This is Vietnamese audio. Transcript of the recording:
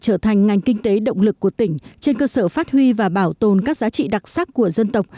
trở thành ngành kinh tế động lực của tỉnh trên cơ sở phát huy và bảo tồn các giá trị đặc sắc của dân tộc